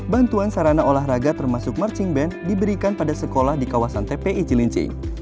bantuan sarana olahraga termasuk marching band diberikan pada sekolah di kawasan tpi cilincing